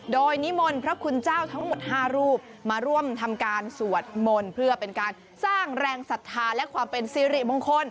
โดยนิมนต์พระคุณเจ้าทั้งหมด๕รูปมาร่วมทำการสวดมนต์เพื่อเป็นการสร้างแรงศรัทธาและความเป็นสิริมงคล